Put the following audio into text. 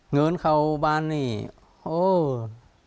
เงินเขาบานนี้โอ้ด